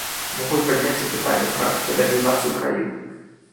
Могуць падняць і пытанне пра федэралізацыю краіны.